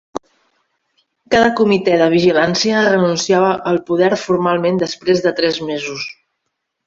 Cada Comitè de Vigilància renunciava al poder formalment després de tres mesos.